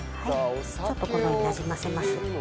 ちょっとこのようになじませます。